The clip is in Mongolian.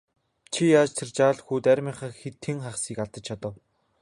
Чи яаж тэр жаал хүүд армийнхаа тэн хагасыг алдаж чадав?